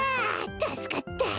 たすかった。